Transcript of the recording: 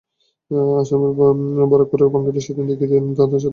আসামের বরাকপারের বাঙালিরা সেদিন দেখিয়ে দেন, তাঁদের চেতনাকে দমিয়ে রাখা যায় না।